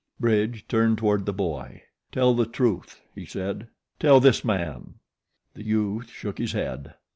Bridge turned toward the boy. "Tell the truth," he said. "Tell this man." The youth shook his head.